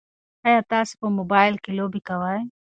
ایا تاسي په موبایل کې لوبې کوئ؟